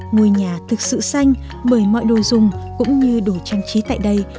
ngôi nhà thực sự xanh bởi mọi đồ dùng cũng như đồ trang trí tại đây